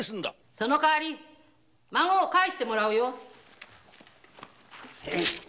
その代わり孫を返してもらうよ。